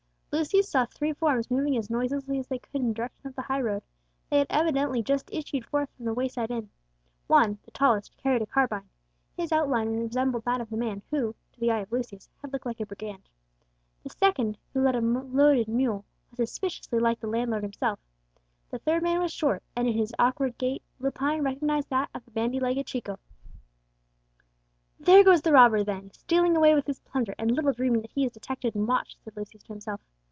Lucius saw three forms moving as noiselessly as they could in the direction of the highroad; they had evidently just issued forth from the wayside inn. One, the tallest, carried a carbine, his outline resembled that of the man who, to the eye of Lucius, had looked like a brigand; the second, who led a loaded mule, was suspiciously like the landlord himself; the third man was short, and in his awkward gait Lepine recognized that of the bandy legged Chico. "There goes the robber, then, stealing away with his plunder, and little dreaming that he is detected and watched!" said Lucius to himself.